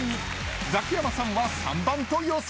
［ザキヤマさんは３番と予想］